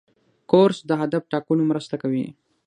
کورس د هدف ټاکلو مرسته کوي.